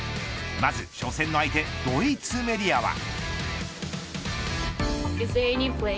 まず初戦の相手ドイツメディアは。